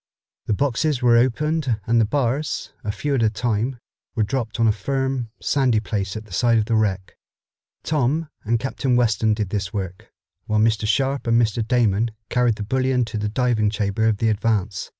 The boxes were opened and the bars, a few at a time, were dropped on a firm, sandy place at the side of the wreck. Tom and Captain Weston did this work, while Mr. Sharp and Mr. Damon carried the bullion to the diving chamber of the Advance.